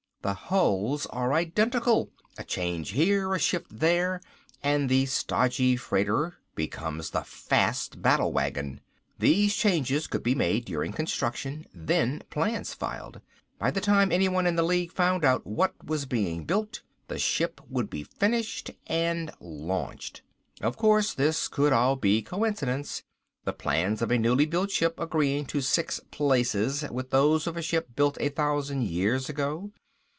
The hulls are identical. A change here, a shift there, and the stodgy freighter becomes the fast battlewagon. These changes could be made during construction, then plans filed. By the time anyone in the League found out what was being built the ship would be finished and launched. Of course, this could all be coincidence the plans of a newly built ship agreeing to six places with those of a ship built a thousand years ago.